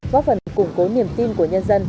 góp phần củng cố niềm tin của nhân dân